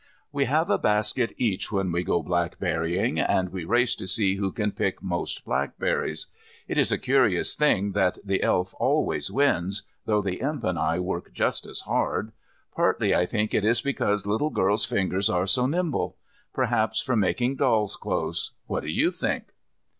We have a basket each when we go blackberrying, and we race to see who can pick most blackberries. It is a curious thing that the Elf always wins, though the Imp and I work just as hard. Partly I think it is because little girls' fingers are so nimble. Perhaps from making doll's clothes. What do you think?